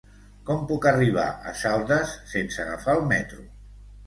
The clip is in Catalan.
Com puc arribar a Saldes sense agafar el metro?